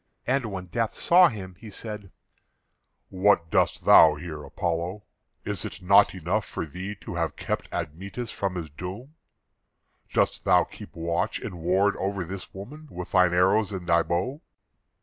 And when Death saw him, he said: "What doest thou here, Apollo? Is it not enough for thee to have kept Admetus from his doom? Dost thou keep watch and ward over this woman with thine arrows and thy bow?"